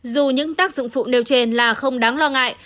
dù những tác dụng phụ nêu trên là không đáng lo ngại